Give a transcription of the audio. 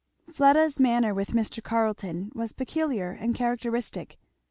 Fleda's manner with Mr. Carleton was peculiar and characteristic.